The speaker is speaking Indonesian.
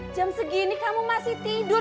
jam segini kamu masih tidur